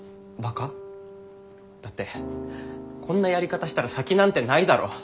だってこんなやり方したら先なんてないだろう？